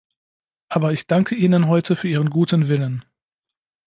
Aber ich danke Ihnen heute für Ihren guten Willen.